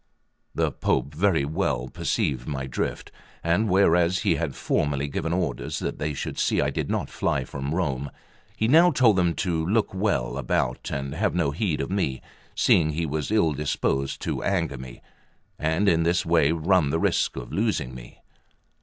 The pope very well perceived my drift; and whereas he had formerly given orders that they should see I did not fly from Rome, he now told them to look well about and have no heed of me, seeing he was ill disposed to anger me, and in this way run the risk of losing me.